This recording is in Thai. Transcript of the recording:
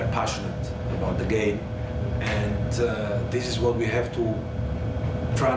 เราต้องพาเกิดขึ้นที่กับทุกคน